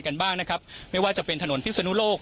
กันบ้างนะครับไม่ว่าจะเป็นถนนพิศนุโลก